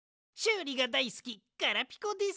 うりがだいすきガラピコです！